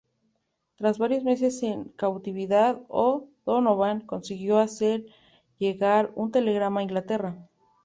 Tras varios meses en cautividad, O'Donovan consiguió hacer llegar un telegrama a Inglaterra.